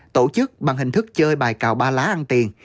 tổ chức bằng hình thức chơi bài cào ba lá ăn tiền